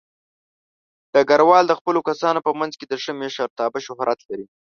ډګروال د خپلو کسانو په منځ کې د ښه مشرتابه شهرت لري.